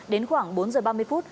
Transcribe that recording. đến khoảng bốn h ba mươi phút